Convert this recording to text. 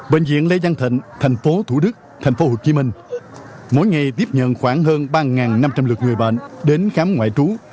bệnh viện lê giang thịnh thành phố thủ đức thành phố hồ chí minh mỗi ngày tiếp nhận khoảng hơn ba năm trăm linh lượt người bệnh đến khám ngoại trú